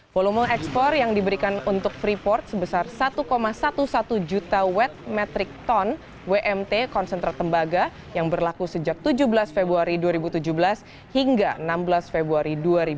volume ekspor yang diberikan untuk freeport sebesar satu sebelas juta watt metric ton wmt konsentrat tembaga yang berlaku sejak tujuh belas februari dua ribu tujuh belas hingga enam belas februari dua ribu delapan belas